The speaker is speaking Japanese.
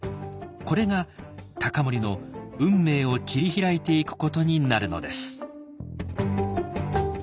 これが隆盛の運命を切り開いていくことになるのです。